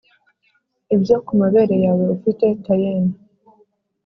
ibyo kumabere yawe ufite ta'en.